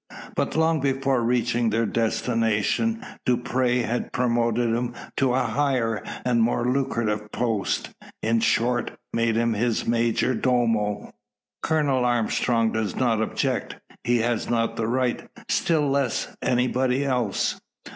But long before reaching their destination, Dupre had promoted him to a higher and more lucrative post in short, made him his "major domo." Colonel Armstrong does not object. He has not the right. Still less, anybody else.